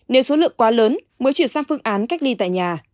nếu số lượng quá lớn mới chuyển sang phương án cách ly tại nhà